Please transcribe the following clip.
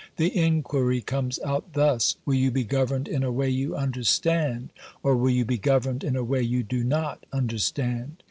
the inquiry comes out thus "Will you be governed in a way you understand, or will you be governed in a way you do not understand?"